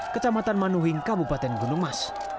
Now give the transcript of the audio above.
kecamatan manuing kabupaten gunung mas